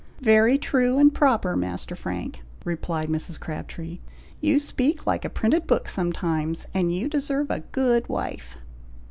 "Very true and proper, Master Frank," replied Mrs. Crabtree; "you speak like a printed book sometimes, and you deserve a good wife."